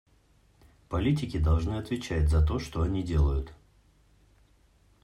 Политики должны отвечать за то, что они делают.